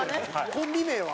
コンビ名は？